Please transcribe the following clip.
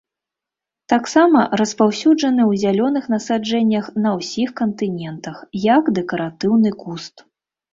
Таксама распаўсюджаны ў зялёных насаджэннях на ўсіх кантынентах як дэкаратыўны куст.